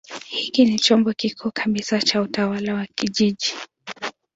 Hiki ni chombo kikuu kabisa cha utawala wa kijiji.